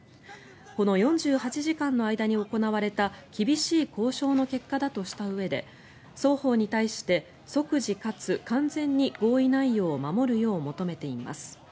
この４８時間の間に行われた厳しい交渉の結果だとしたうえで双方に対して即時かつ完全に合意内容を守るよう求めています。